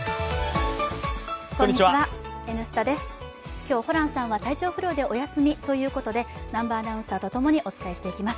今日はホランさんは体調不良でお休みということで南波アナウンサーとともにお伝えしていきます